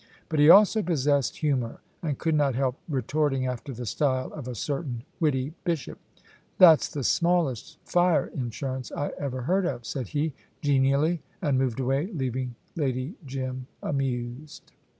But he also possessed humour, and could not help retorting after the style of a certain witty bishop. "That's the smallest fire insurance I ever heard of," said he, genially, and moved away, leaving Lady Jim amused.